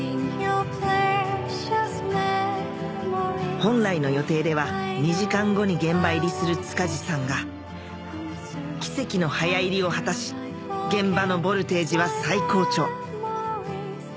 本来の予定では２時間後に現場入りする塚地さんが奇跡の早入りを果たし現場のボルテージは最高潮